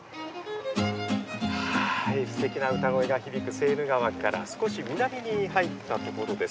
すてきな歌声が響くセーヌ川から少し南に入ったところです。